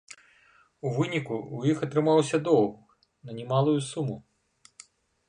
У выніку ў іх атрымаўся доўг на немалую суму.